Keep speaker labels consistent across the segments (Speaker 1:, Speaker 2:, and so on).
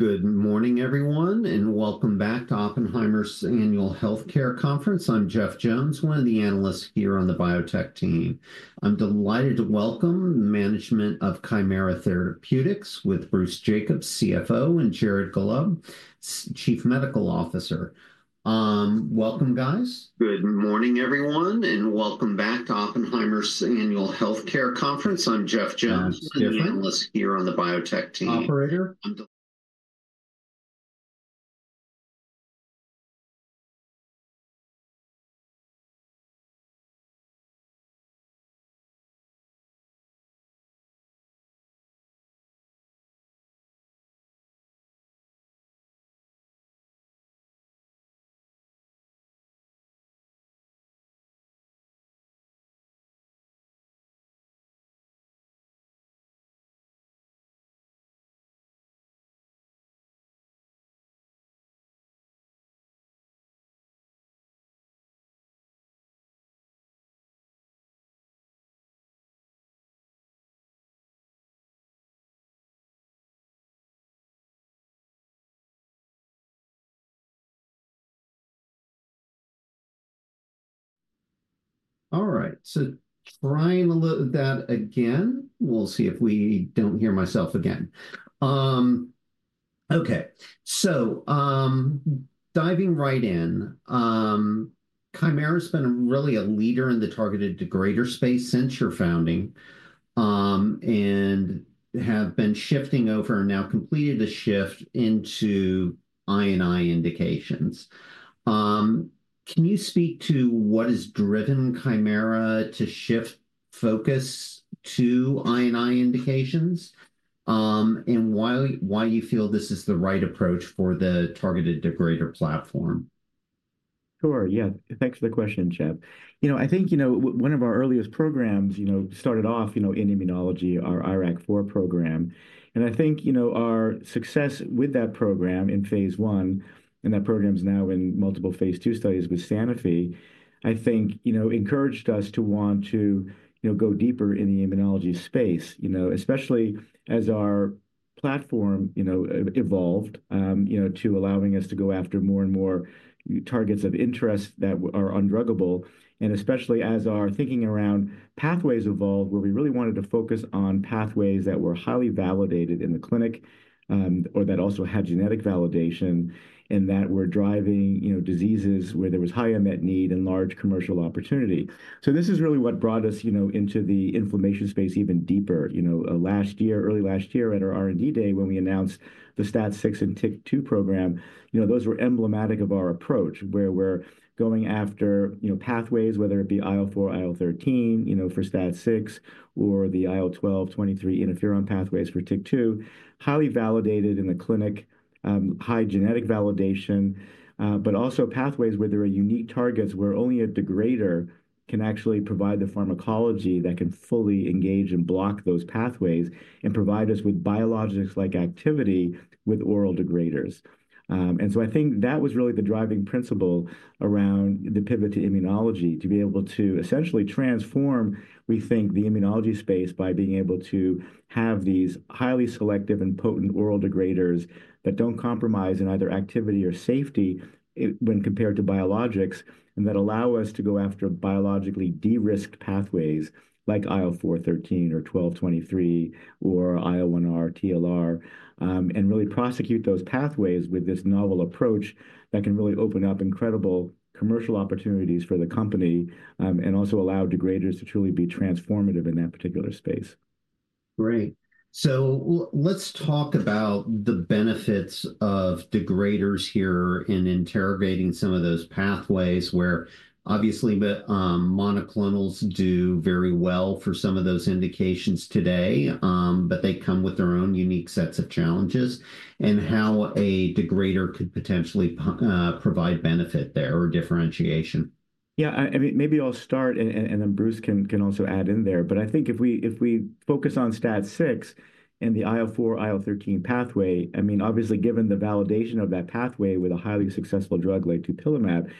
Speaker 1: Good morning, everyone, and welcome back to Oppenheimer's annual healthcare conference. I'm Jeff Jones, one of the analysts here on the biotech team. I'm delighted to welcome the management of Kymera Therapeutics with Bruce Jacobs, CFO, and Jared Gollob, Chief Medical Officer. Welcome, guys. Good morning, everyone, and welcome back to Oppenheimer's annual healthcare conference. I'm Jeff Jones, an analyst here on the biotech team. Operator. All right, so trying a little of that again. We'll see if we don't hear myself again. Okay, so diving right in, Kymera's been really a leader in the targeted protein degradation space since your founding and have been shifting over and now completed a shift into I&I indications. Can you speak to what has driven Kymera to shift focus to I&I indications and why you feel this is the right approach for the targeted protein degradation platform?
Speaker 2: Sure, yeah. Thanks for the question, Jeff. You know, I think, you know, one of our earliest programs, you know, started off, you know, in immunology, our IRAK4 program. And I think, you know, our success with that program in Phase I, and that program's now in multiple Phase II studies with Sanofi, I think, you know, encouraged us to want to, you know, go deeper in the immunology space, you know, especially as our platform, you know, evolved, you know, to allowing us to go after more and more targets of interest that are undruggable. And especially as our thinking around pathways evolved, where we really wanted to focus on pathways that were highly validated in the clinic or that also had genetic validation and that were driving, you know, diseases where there was high unmet need and large commercial opportunity. So this is really what brought us, you know, into the inflammation space even deeper. You know, last year, early last year at our R&D day, when we announced the STAT6 and TYK2 program, you know, those were emblematic of our approach where we're going after, you know, pathways, whether it be IL-4, IL-13, you know, for STAT6, or the IL-12/23 interferon pathways for TYK2, highly validated in the clinic, high genetic validation, but also pathways where there are unique targets where only a degrader can actually provide the pharmacology that can fully engage and block those pathways and provide us with biologics-like activity with oral degraders. I think that was really the driving principle around the pivot to immunology to be able to essentially transform, we think, the immunology space by being able to have these highly selective and potent oral degraders that don't compromise in either activity or safety when compared to biologics and that allow us to go after biologically de-risked pathways like IL-4/13 or IL-12/23 or IL-1R/TLR, and really prosecute those pathways with this novel approach that can really open up incredible commercial opportunities for the company and also allow degraders to truly be transformative in that particular space.
Speaker 1: Great. So let's talk about the benefits of degraders here in interrogating some of those pathways where obviously monoclonals do very well for some of those indications today, but they come with their own unique sets of challenges and how a degrader could potentially provide benefit there or differentiation.
Speaker 2: Yeah, I mean, maybe I'll start and then Bruce can also add in there, but I think if we focus on STAT6 and the IL-4, IL-13 pathway, I mean, obviously given the validation of that pathway with a highly successful drug like dupilumab,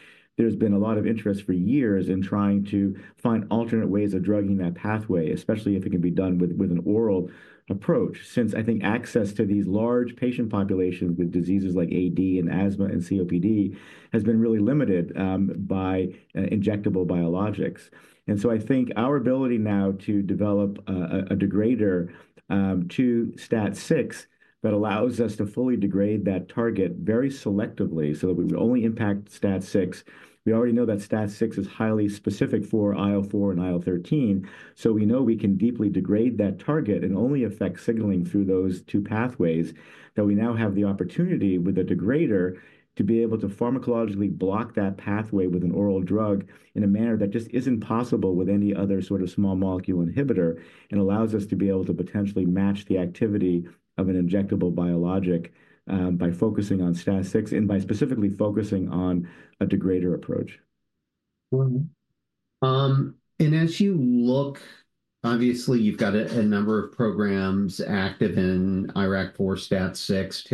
Speaker 2: there's been a lot of interest for years in trying to find alternate ways of drugging that pathway, especially if it can be done with an oral approach since I think access to these large patient populations with diseases like AD and asthma and COPD has been really limited by injectable biologics, and so I think our ability now to develop a degrader to STAT6 that allows us to fully degrade that target very selectively so that we would only impact STAT6, we already know that STAT6 is highly specific for IL-4 and IL-13. So we know we can deeply degrade that target and only affect signaling through those two pathways that we now have the opportunity with a degrader to be able to pharmacologically block that pathway with an oral drug in a manner that just isn't possible with any other sort of small molecule inhibitor and allows us to be able to potentially match the activity of an injectable biologic by focusing on STAT6 and by specifically focusing on a degrader approach.
Speaker 1: And as you look, obviously you've got a number of programs active in IRAK4, STAT6,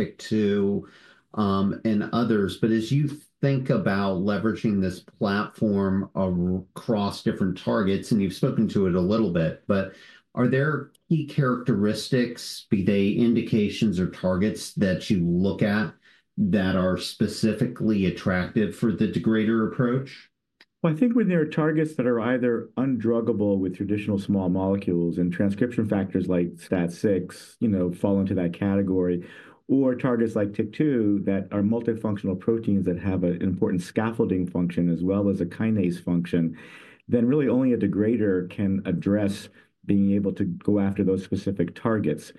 Speaker 1: TYK2, and others. But as you think about leveraging this platform across different targets, and you've spoken to it a little bit, but are there key characteristics, be they indications or targets that you look at that are specifically attractive for the degrader approach?
Speaker 2: I think when there are targets that are either undruggable with traditional small molecules and transcription factors like STAT6, you know, fall into that category, or targets like TYK2 that are multifunctional proteins that have an important scaffolding function as well as a kinase function, then really only a degrader can address being able to go after those specific targets.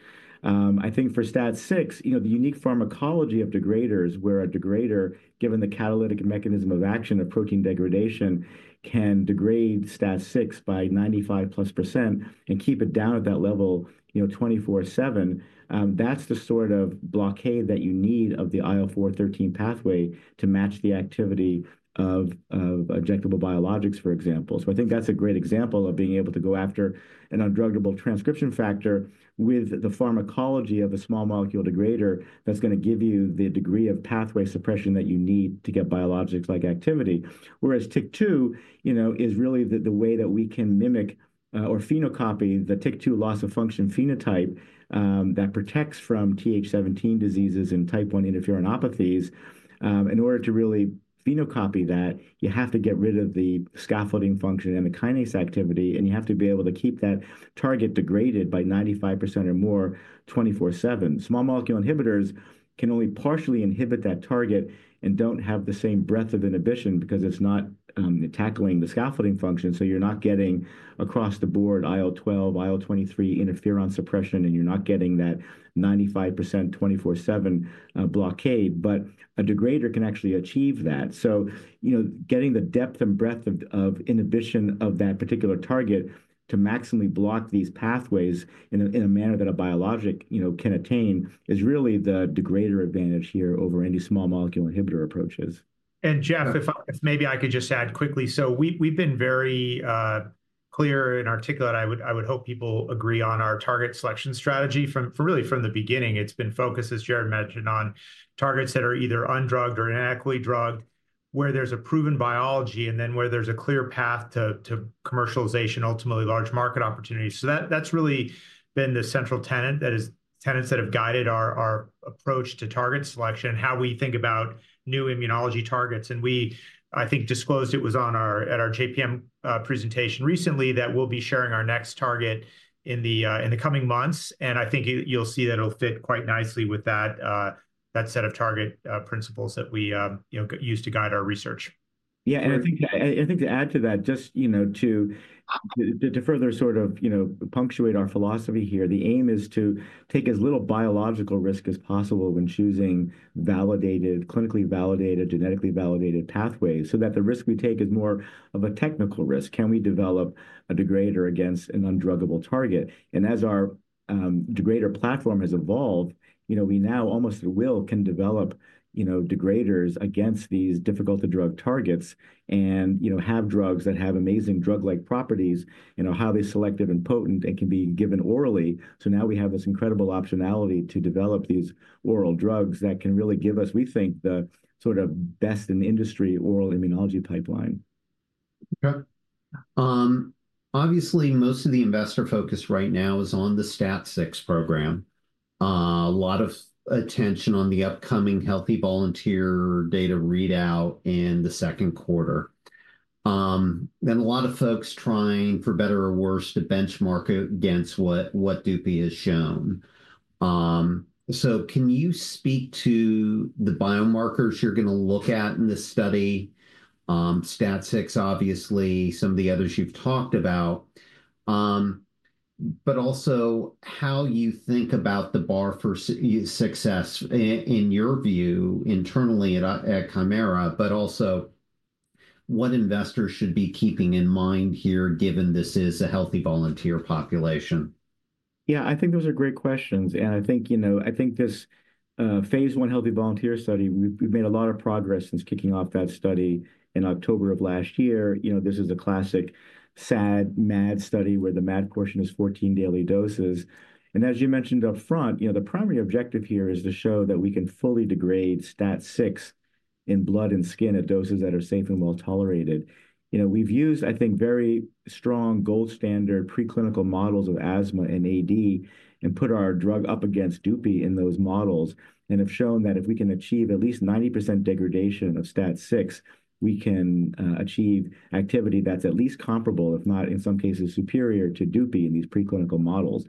Speaker 2: I think for STAT6, you know, the unique pharmacology of degraders where a degrader, given the catalytic mechanism of action of protein degradation, can degrade STAT6 by 95-plus percent and keep it down at that level, you know, 24/7, that's the sort of blockade that you need of the IL-4/13 pathway to match the activity of injectable biologics, for example. So I think that's a great example of being able to go after an undruggable transcription factor with the pharmacology of a small molecule degrader that's going to give you the degree of pathway suppression that you need to get biologics-like activity. Whereas TYK2, you know, is really the way that we can mimic or phenocopy the TYK2 loss of function phenotype that protects from Th17 diseases and type I interferonopathies. In order to really phenocopy that, you have to get rid of the scaffolding function and the kinase activity, and you have to be able to keep that target degraded by 95% or more 24/7. Small molecule inhibitors can only partially inhibit that target and don't have the same breadth of inhibition because it's not tackling the scaffolding function. So you're not getting across the board IL-12, IL-23 interferon suppression, and you're not getting that 95% 24/7 blockade. But a degrader can actually achieve that. So, you know, getting the depth and breadth of inhibition of that particular target to maximally block these pathways in a manner that a biologic, you know, can attain is really the degrader advantage here over any small molecule inhibitor approaches.
Speaker 3: Jeff, if maybe I could just add quickly, so we've been very clear and articulate. I would hope people agree on our target selection strategy from really from the beginning. It's been focused, as Jared mentioned, on targets that are either undrugged or inadequately drugged where there's a proven biology and then where there's a clear path to commercialization, ultimately large market opportunities. So that's really been the central tenet that has tenets that have guided our approach to target selection and how we think about new immunology targets. We, I think, disclosed it was on our JPM presentation recently that we'll be sharing our next target in the coming months. I think you'll see that it'll fit quite nicely with that set of target principles that we use to guide our research.
Speaker 2: Yeah, and I think to add to that, just, you know, to further sort of, you know, punctuate our philosophy here, the aim is to take as little biological risk as possible when choosing validated, clinically validated, genetically validated pathways so that the risk we take is more of a technical risk. Can we develop a degrader against an undruggable target? And as our degrader platform has evolved, you know, we now almost at will can develop, you know, degraders against these difficult-to-drug targets and, you know, have drugs that have amazing drug-like properties, you know, highly selective and potent and can be given orally. So now we have this incredible optionality to develop these oral drugs that can really give us, we think, the sort of best in industry oral immunology pipeline.
Speaker 1: Okay. Obviously, most of the investor focus right now is on the STAT6 program, a lot of attention on the upcoming healthy volunteer data readout in the second quarter, and a lot of folks trying, for better or worse, to benchmark against what Dupy has shown. So can you speak to the biomarkers you're going to look at in this study, STAT6, obviously, some of the others you've talked about, but also how you think about the bar for success in your view internally at Kymera, but also what investors should be keeping in mind here given this is a healthy volunteer population?
Speaker 2: Yeah, I think those are great questions, and I think, you know, I think this Phase I healthy volunteer study, we've made a lot of progress since kicking off that study in October of last year. You know, this is a classic SAD/MAD study where the MAD portion is 14 daily doses, and as you mentioned upfront, you know, the primary objective here is to show that we can fully degrade STAT6 in blood and skin at doses that are safe and well tolerated. You know, we've used, I think, very strong gold standard preclinical models of asthma and AD and put our drug up against Dupy in those models and have shown that if we can achieve at least 90% degradation of STAT6, we can achieve activity that's at least comparable, if not in some cases superior to Dupy in these preclinical models.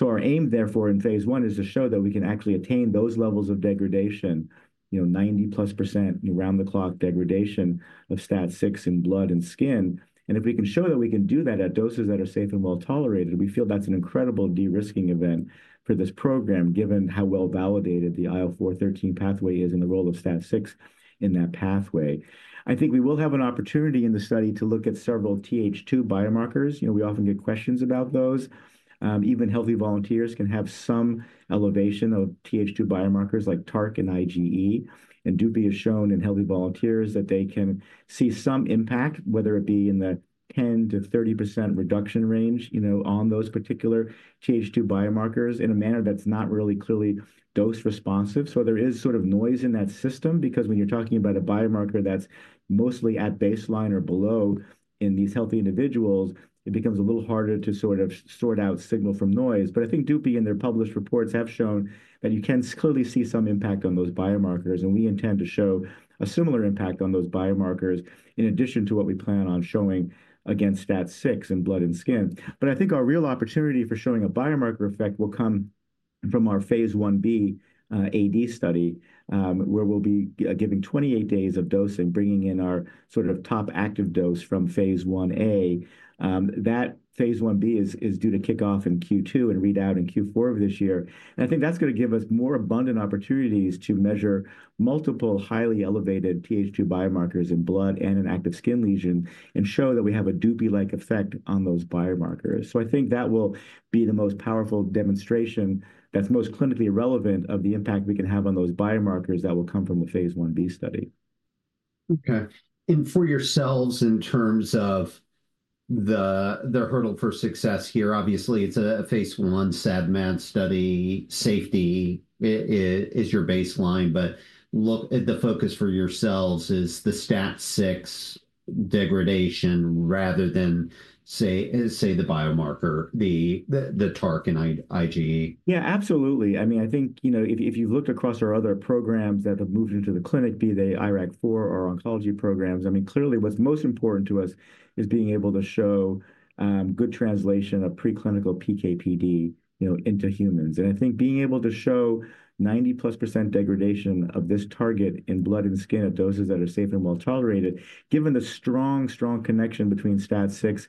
Speaker 2: Our aim therefore in Phase I is to show that we can actually attain those levels of degradation, you know, 90 plus percent, you know, round the clock degradation of STAT6 in blood and skin. And if we can show that we can do that at doses that are safe and well tolerated, we feel that's an incredible de-risking event for this program given how well validated the IL-4/13 pathway is and the role of STAT6 in that pathway. I think we will have an opportunity in the study to look at several Th2 biomarkers. You know, we often get questions about those. Even healthy volunteers can have some elevation of Th2 biomarkers like TARC and IgE. Dupy has shown in healthy volunteers that they can see some impact, whether it be in the 10%-30% reduction range, you know, on those particular Th2 biomarkers in a manner that's not really clearly dose responsive. So there is sort of noise in that system because when you're talking about a biomarker that's mostly at baseline or below in these healthy individuals, it becomes a little harder to sort of sort out signal from noise. But I think Dupy and their published reports have shown that you can clearly see some impact on those biomarkers. And we intend to show a similar impact on those biomarkers in addition to what we plan on showing against STAT6 in blood and skin. But I think our real opportunity for showing a biomarker effect will come from our Phase I-B AD study where we'll be giving 28 days of dosing, bringing in our sort of top active dose from Phase I-A. That Phase I-B is due to kick off in Q2 and readout in Q4 of this year. And I think that's going to give us more abundant opportunities to measure multiple highly elevated Th2 biomarkers in blood and an active skin lesion and show that we have a Dupy-like effect on those biomarkers. So I think that will be the most powerful demonstration that's most clinically relevant of the impact we can have on those biomarkers that will come from the Phase I-B study.
Speaker 1: Okay. And for the molecule in terms of the hurdle for success here, obviously it's a Phase I SAD/MAD study. Safety is your baseline, but look at the focus for the molecule is the STAT6 degradation rather than say the biomarker, the TARC and IgE.
Speaker 2: Yeah, absolutely. I mean, I think, you know, if you've looked across our other programs that have moved into the clinic, be they IRAK4 or oncology programs, I mean, clearly what's most important to us is being able to show good translation of preclinical PK/PD, you know, into humans. And I think being able to show 90 plus percent degradation of this target in blood and skin at doses that are safe and well tolerated, given the strong, strong connection between STAT6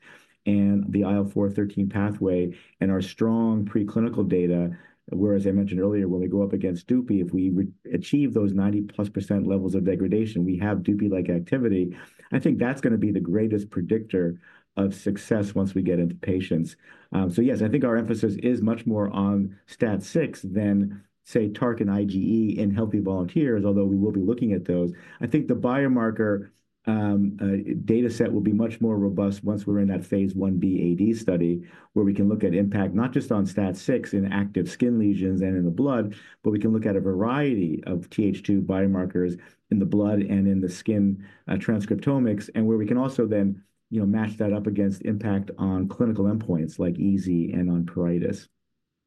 Speaker 2: and the IL-4/13 pathway and our strong preclinical data, where, as I mentioned earlier, when we go up against Dupy, if we achieve those 90 plus percent levels of degradation, we have Dupy-like activity, I think that's going to be the greatest predictor of success once we get into patients. So yes, I think our emphasis is much more on STAT6 than, say, TARC and IgE in healthy volunteers, although we will be looking at those. I think the biomarker data set will be much more robust once we're in that Phase I-B AD study where we can look at impact not just on STAT6 in active skin lesions and in the blood, but we can look at a variety of Th2 biomarkers in the blood and in the skin transcriptomics and where we can also then, you know, match that up against impact on clinical endpoints like EASI and on pruritus.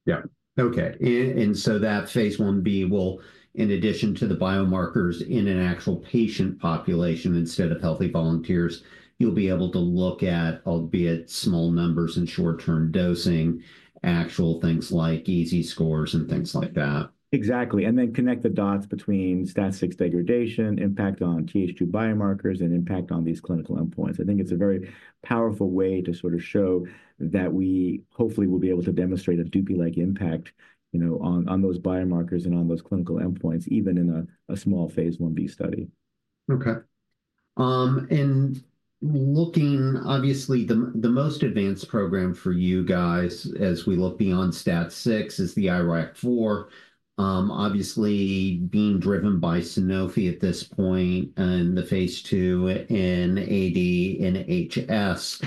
Speaker 1: Yeah. Okay. And so that Phase I-B will, in addition to the biomarkers in an actual patient population instead of healthy volunteers, you'll be able to look at, albeit small numbers and short-term dosing, actual things like EASI scores and things like that.
Speaker 2: Exactly. And then connect the dots between STAT6 degradation, impact on Th2 biomarkers, and impact on these clinical endpoints. I think it's a very powerful way to sort of show that we hopefully will be able to demonstrate a Dupy-like impact, you know, on those biomarkers and on those clinical endpoints even in a small Phase I-B study.
Speaker 1: Okay. And looking, obviously, the most advanced program for you guys as we look beyond STAT6 is the IRAK4, obviously being driven by Sanofi at this point and the Phase II in AD and HS.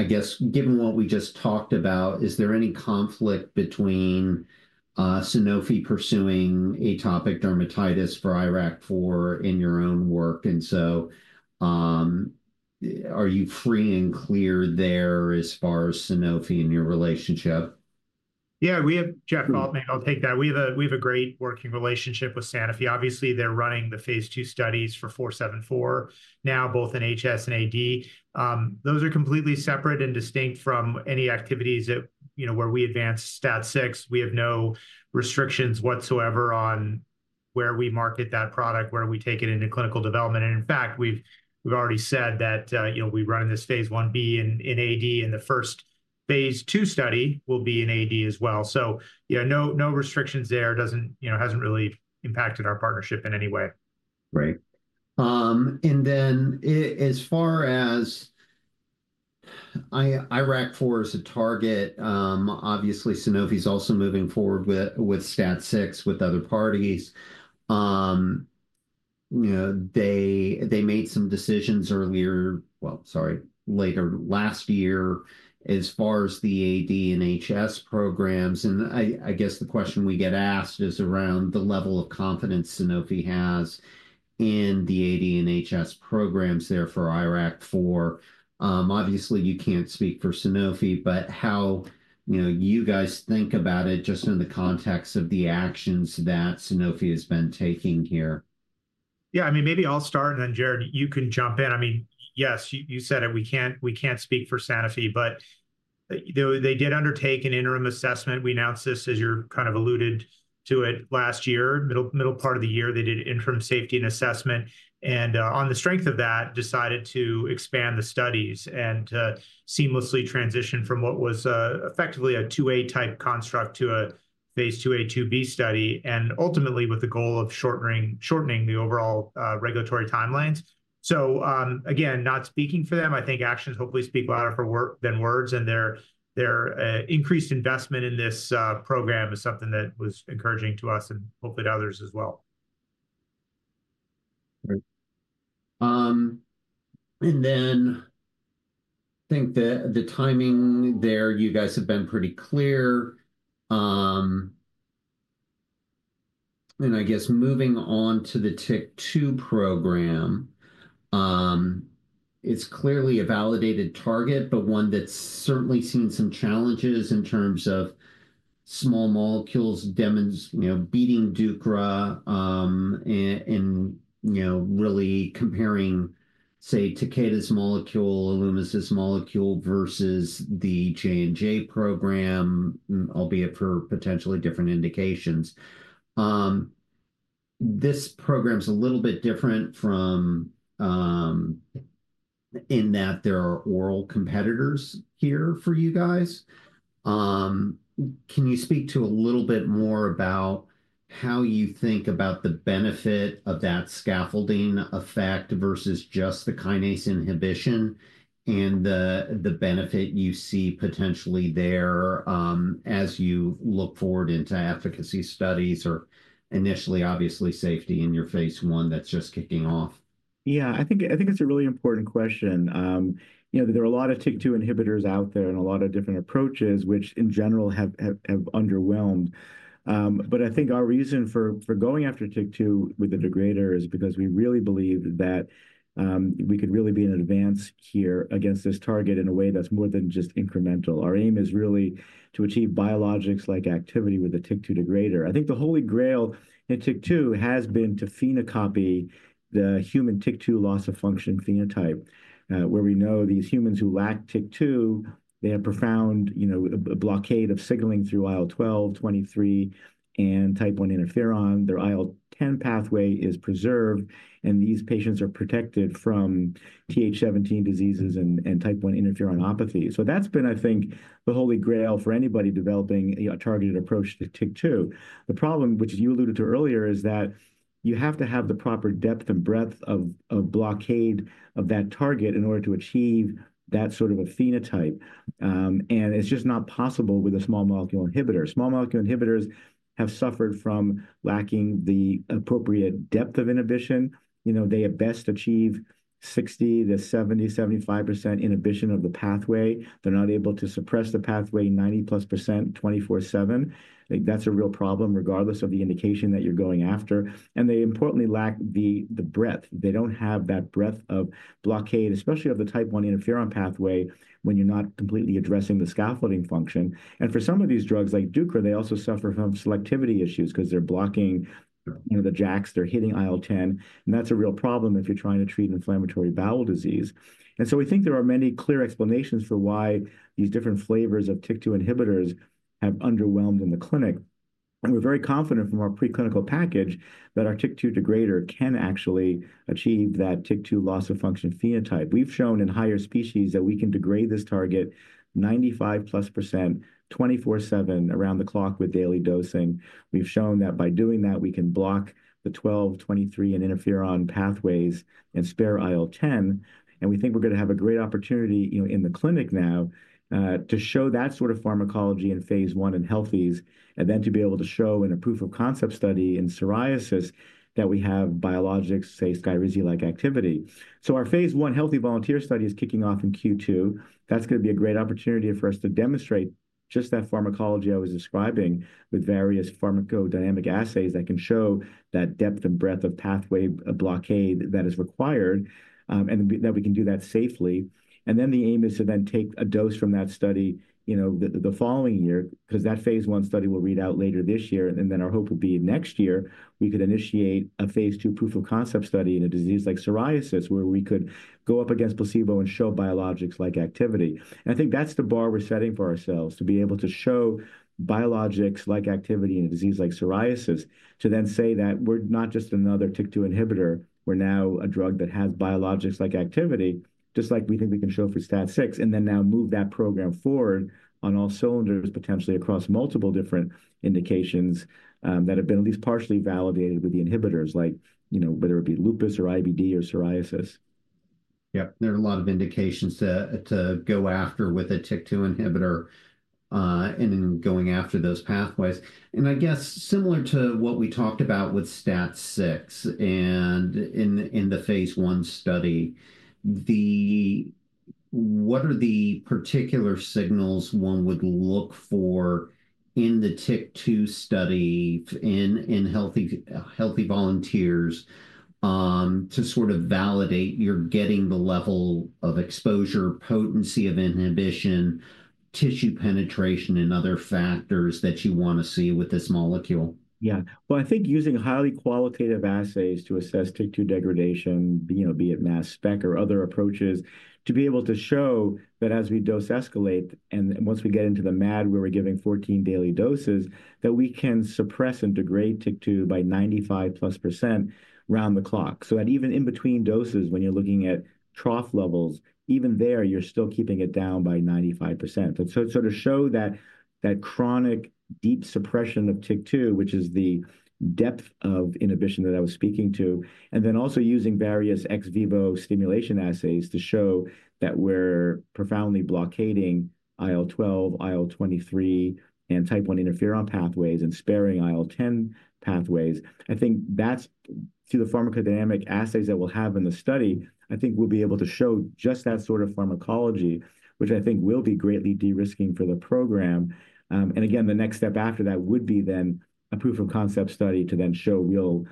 Speaker 1: I guess given what we just talked about, is there any conflict between Sanofi pursuing atopic dermatitis for IRAK4 in your own work? And so are you free and clear there as far as Sanofi and your relationship?
Speaker 3: Yeah, we have, Jeff. I'll take that. We have a great working relationship with Sanofi. Obviously, they're running the Phase II studies for 474 now, both in HS and AD. Those are completely separate and distinct from any activities that, you know, where we advance STAT6. We have no restrictions whatsoever on where we market that product, where we take it into clinical development, and in fact, we've already said that, you know, we run in this Phase I-B in AD, and the first Phase II study will be in AD as well, so, you know, no restrictions there. It doesn't, you know, hasn't really impacted our partnership in any way.
Speaker 1: Right. And then as far as IRAK4 is a target, obviously Sanofi is also moving forward with STAT6 with other parties. You know, they made some decisions earlier, well, sorry, later last year as far as the AD and HS programs. And I guess the question we get asked is around the level of confidence Sanofi has in the AD and HS programs there for IRAK4. Obviously, you can't speak for Sanofi, but how, you know, you guys think about it just in the context of the actions that Sanofi has been taking here.
Speaker 3: Yeah, I mean, maybe I'll start and then Jared, you can jump in. I mean, yes, you said it. We can't speak for Sanofi, but they did undertake an interim assessment. We announced this, as you kind of alluded to it last year. Middle part of the year, they did interim safety and assessment. And on the strength of that, decided to expand the studies and to seamlessly transition from what was effectively a II-A type construct to a Phase II-A, II-B study, and ultimately with the goal of shortening the overall regulatory timelines. So again, not speaking for them. I think actions hopefully speak louder than words. And their increased investment in this program is something that was encouraging to us and hopefully to others as well.
Speaker 1: Right. And then I think the timing there, you guys have been pretty clear. And I guess moving on to the TYK2 program, it's clearly a validated target, but one that's certainly seen some challenges in terms of small molecules beating deucra and, you know, really comparing, say, Takeda's molecule, Alumis's molecule versus the J&J program, albeit for potentially different indications. This program is a little bit different in that there are oral competitors here for you guys. Can you speak to a little bit more about how you think about the benefit of that scaffolding effect versus just the kinase inhibition and the benefit you see potentially there as you look forward into efficacy studies or initially, obviously, safety in your Phase I that's just kicking off?
Speaker 2: Yeah, I think it's a really important question. You know, there are a lot of TYK2 inhibitors out there and a lot of different approaches, which in general have underwhelmed. But I think our reason for going after TYK2 with the degrader is because we really believe that we could really be an advance here against this target in a way that's more than just incremental. Our aim is really to achieve biologics-like activity with the TYK2 degrader. I think the holy grail in TYK2 has been to phenocopy the human TYK2 loss of function phenotype, where we know these humans who lack TYK2, they have profound, you know, a blockade of signaling through IL-12, IL-23, and type I interferon. Their IL-10 pathway is preserved, and these patients are protected from Th17 diseases and type I interferonopathy. That's been, I think, the holy grail for anybody developing a targeted approach to TYK2. The problem, which you alluded to earlier, is that you have to have the proper depth and breadth of blockade of that target in order to achieve that sort of a phenotype. And it's just not possible with a small molecule inhibitor. Small molecule inhibitors have suffered from lacking the appropriate depth of inhibition. You know, they at best achieve 60%-70%, 75% inhibition of the pathway. They're not able to suppress the pathway 90 plus percent 24/7. I think that's a real problem regardless of the indication that you're going after. And they importantly lack the breadth. They don't have that breadth of blockade, especially of the type I interferon pathway when you're not completely addressing the scaffolding function. And for some of these drugs like deucrava's, they also suffer from selectivity issues because they're blocking one of the JAKs. They're hitting IL-10. And that's a real problem if you're trying to treat inflammatory bowel disease. And so we think there are many clear explanations for why these different flavors of TYK2 inhibitors have underwhelmed in the clinic. We're very confident from our preclinical package that our TYK2 degrader can actually achieve that TYK2 loss of function phenotype. We've shown in higher species that we can degrade this target 95 plus percent 24/7 around the clock with daily dosing. We've shown that by doing that, we can block the IL-12, IL-23, and interferon pathways and spare IL-10. We think we're going to have a great opportunity, you know, in the clinic now to show that sort of pharmacology in Phase I in healthies and then to be able to show in a proof of concept study in psoriasis that we have biologics, say, Skyrizi-like activity. Our Phase I healthy volunteer study is kicking off in Q2. That's going to be a great opportunity for us to demonstrate just that pharmacology I was describing with various pharmacodynamic assays that can show that depth and breadth of pathway blockade that is required and that we can do that safely. The aim is to then take a dose from that study, you know, the following year because that Phase I study will read out later this year. And then our hope would be next year we could initiate a Phase II proof of concept study in a disease like psoriasis where we could go up against placebo and show biologics-like activity. And I think that's the bar we're setting for ourselves to be able to show biologics-like activity in a disease like psoriasis to then say that we're not just another TYK2 inhibitor. We're now a drug that has biologics-like activity, just like we think we can show for STAT6, and then now move that program forward on all cylinders potentially across multiple different indications that have been at least partially validated with the inhibitors like, you know, whether it be lupus or IBD or psoriasis.
Speaker 1: Yeah, there are a lot of indications to go after with a TYK2 inhibitor and going after those pathways. And I guess similar to what we talked about with STAT6 and in the Phase I study, what are the particular signals one would look for in the TYK2 study in healthy volunteers to sort of validate you're getting the level of exposure, potency of inhibition, tissue penetration, and other factors that you want to see with this molecule?
Speaker 2: Yeah. Well, I think using highly qualitative assays to assess TYK2 degradation, you know, be it mass spec or other approaches, to be able to show that as we dose escalate and once we get into the MAD where we're giving 14 daily doses, that we can suppress and degrade TYK2 by 95 plus percent around the clock. So that even in between doses, when you're looking at trough levels, even there, you're still keeping it down by 95%. So to show that chronic deep suppression of TYK2, which is the depth of inhibition that I was speaking to, and then also using various ex vivo stimulation assays to show that we're profoundly blocking IL-12, IL-23, and type I interferon pathways and sparing IL-10 pathways, I think that's through the pharmacodynamic assays that we'll have in the study. I think we'll be able to show just that sort of pharmacology, which I think will be greatly de-risking for the program. And again, the next step after that would be then a proof of concept study to then show real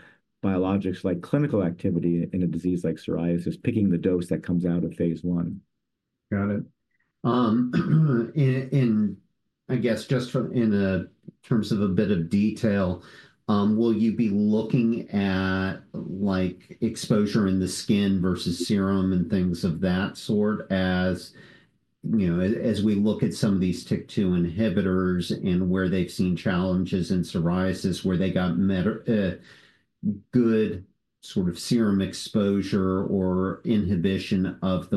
Speaker 2: biologics-like clinical activity in a disease like psoriasis, picking the dose that comes out of Phase I.
Speaker 1: Got it. And I guess just in terms of a bit of detail, will you be looking at like exposure in the skin versus serum and things of that sort as, you know, as we look at some of these TYK2 inhibitors and where they've seen challenges in psoriasis, where they got good sort of serum exposure or inhibition of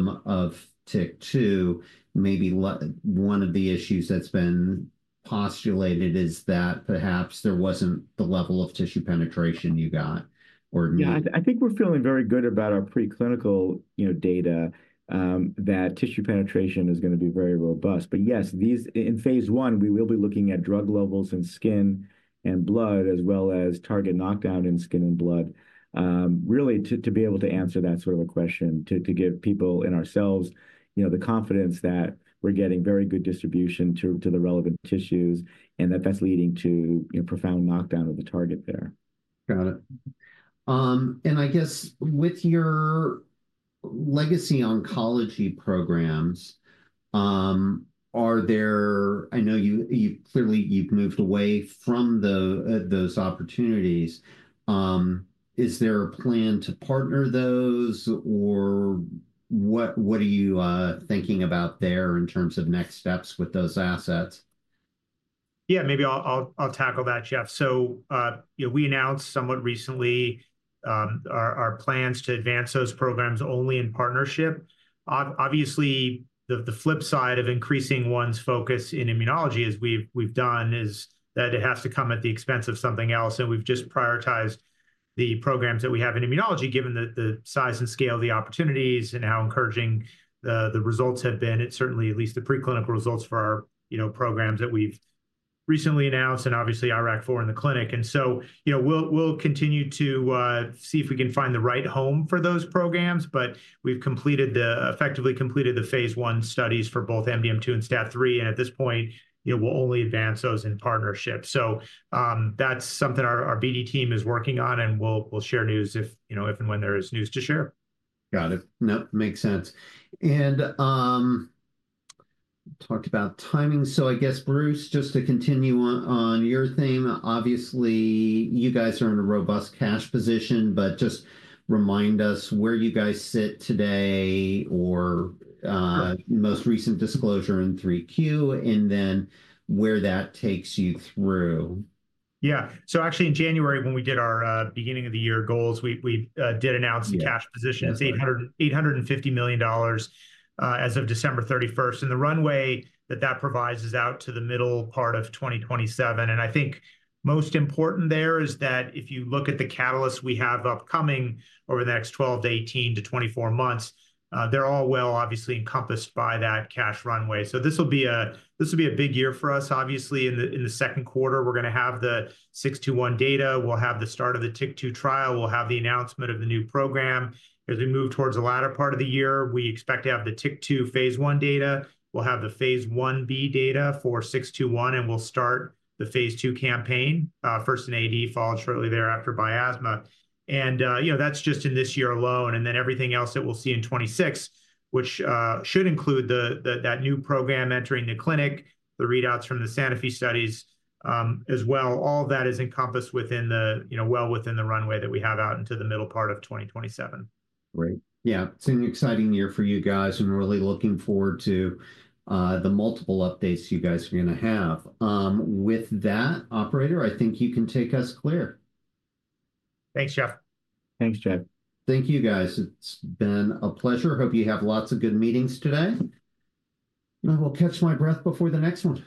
Speaker 1: TYK2, maybe one of the issues that's been postulated is that perhaps there wasn't the level of tissue penetration you got or.
Speaker 2: Yeah, I think we're feeling very good about our preclinical, you know, data that tissue penetration is going to be very robust. But yes, in Phase I, we will be looking at drug levels in skin and blood as well as target knockdown in skin and blood, really to be able to answer that sort of a question, to give people and ourselves, you know, the confidence that we're getting very good distribution to the relevant tissues and that that's leading to, you know, profound knockdown of the target there.
Speaker 1: Got it. And I guess with your legacy oncology programs, are there? I know you've clearly moved away from those opportunities. Is there a plan to partner those or what are you thinking about there in terms of next steps with those assets?
Speaker 3: Yeah, maybe I'll tackle that, Jeff. So, you know, we announced somewhat recently our plans to advance those programs only in partnership. Obviously, the flip side of increasing one's focus in immunology, as we've done, is that it has to come at the expense of something else. And we've just prioritized the programs that we have in immunology, given the size and scale of the opportunities and how encouraging the results have been. It's certainly at least the preclinical results for our, you know, programs that we've recently announced and obviously IRAK4 in the clinic. And so, you know, we'll continue to see if we can find the right home for those programs, but we've effectively completed the Phase I studies for both MDM2 and STAT3. And at this point, you know, we'll only advance those in partnership. So that's something our BD team is working on, and we'll share news if, you know, if and when there is news to share.
Speaker 1: Got it. No, makes sense. And talked about timing. So I guess, Bruce, just to continue on your theme, obviously you guys are in a robust cash position, but just remind us where you guys sit today or most recent disclosure in 3Q and then where that takes you through.
Speaker 3: Yeah. So actually in January, when we did our beginning of the year goals, we did announce the cash position. It's $850 million as of December 31st. And the runway that that provides is out to the middle part of 2027. And I think most important there is that if you look at the catalysts we have upcoming over the next 12 to 18 to 24 months, they're all well, obviously encompassed by that cash runway. So this will be a big year for us, obviously. In the second quarter, we're going to have the 621 data. We'll have the start of the TYK2 trial. We'll have the announcement of the new program. As we move towards the latter part of the year, we expect to have the TYK2 Phase I data. We'll have the Phase I-B data for 621, and we'll start the Phase II campaign, first in AD, followed shortly thereafter by asthma. And, you know, that's just in this year alone. And then everything else that we'll see in 2026, which should include that new program entering the clinic, the readouts from the Sanofi studies as well, all of that is encompassed within the, you know, well within the runway that we have out into the middle part of 2027.
Speaker 1: Great. Yeah, it's an exciting year for you guys. I'm really looking forward to the multiple updates you guys are going to have. With that, operator, I think you can take us clear.
Speaker 3: Thanks, Jeff.
Speaker 2: Thanks, Jeff.
Speaker 1: Thank you, guys. It's been a pleasure. Hope you have lots of good meetings today. I will catch my breath before the next one.